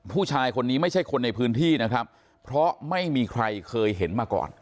ผู้ชายคนนี้ไม่ใช่คนในพื้นที่นะครับเพราะไม่มีใครเคยเห็นมาก่อน